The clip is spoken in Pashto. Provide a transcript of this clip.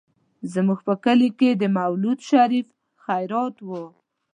زموږ په کلي کې د مولود شريف خيرات و.